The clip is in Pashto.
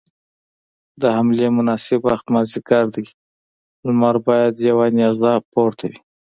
د حملې مناسب وخت مازديګر دی، لمر بايد يوه نيزه پورته وي.